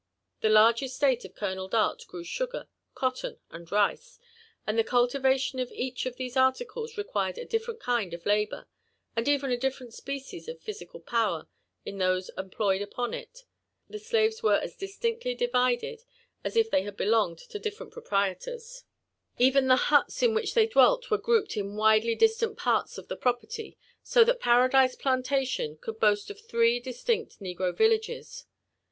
The large estate of Colonel Dart grew sugar, cotton, and rice ; and as the cultivation of each of these articles required a different kind of labour, and even a different species of physical power in those employed upon it, the slaves were as distinctly divided as if they had belonged to difl'erent proprietors; JONATHAN aSFFJBiaSPN WHITIiAW. hi •van the hnto io which they dwelt wer^ grouped in widely diitant ptrl0 of the property, io that Paradigo Plantation could boast of three distinct negro villages.